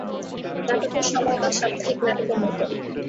নাটকের সময়কাল সাপ্তাহিক নাটকের মতোই।